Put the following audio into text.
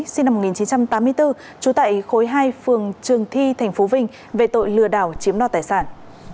sinh năm một nghìn chín trăm tám mươi bốn trú tại khối hai phường trường thi thành phố vinh về tội lừa đảo chiếm đo tài sản